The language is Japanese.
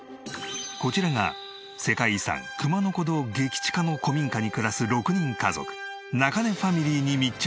こちらが世界遺産熊野古道激チカの古民家に暮らす６人家族中根ファミリーに密着。